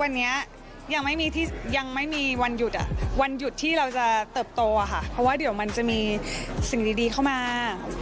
วันนี้ยังไม่มีที่ยังไม่มีวันหยุดวันหยุดที่เราจะเติบโตค่ะเพราะว่าเดี๋ยวมันจะมีสิ่งดีเข้ามา